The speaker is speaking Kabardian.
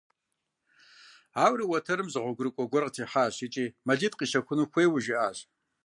Ауэрэ уэтэрым зы гъуэгурыкӀуэ гуэр къытехьащ икӀи мэлитӀ къищэхуну хуейуэ жиӀащ.